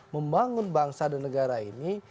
membangun bangsa dan negara ini